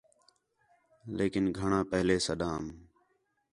لیکن گھݨاں پہلے سݙام